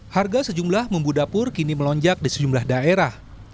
harga sejumlah bumbu dapur kini melonjak di sejumlah daerah